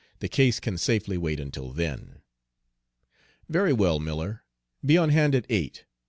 "The case can safely wait until then." "Very well, Miller, be on hand at eight.